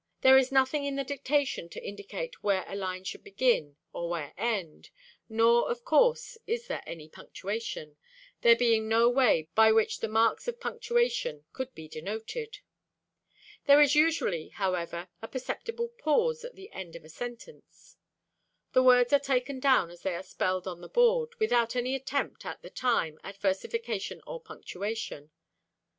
There is nothing in the dictation to indicate where a line should begin or where end, nor, of course, is there any punctuation, there being no way by which the marks of punctuation could be denoted. There is usually, however, a perceptible pause at the end of a sentence. The words are taken down as they are spelled on the board, without any attempt, at the time, at versification or punctuation.